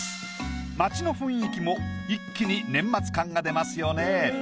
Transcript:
街の雰囲気も一気に年末感が出ますよね。